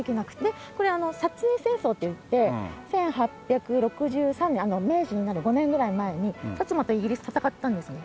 これ英戦争っていって１８６３年明治になる５年ぐらい前に摩とイギリス戦ったんですね。